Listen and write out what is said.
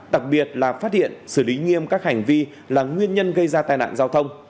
đặc biệt là phát hiện xử lý nghiêm các hành vi là nguyên nhân gây ra tai nạn giao thông